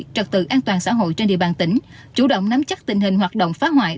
trật tự an toàn xã hội trên địa bàn tỉnh chủ động nắm chắc tình hình hoạt động phá hoại